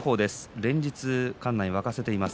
連日館内を沸かせています。